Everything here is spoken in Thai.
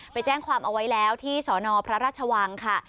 ไปแจ้งความเอาไว้แล้วที่สนพระราชวังค่ะ